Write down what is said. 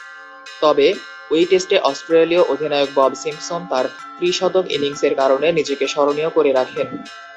তবে, ঐ টেস্টে অস্ট্রেলীয় অধিনায়ক বব সিম্পসন তার ত্রি-শতক ইনিংসের কারণে নিজেকে স্মরণীয় করে রাখেন।